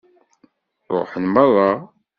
Ṛuḥen meṛṛa.